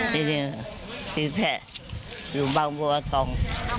จริงจริงแทะอยู่บางบัวทอง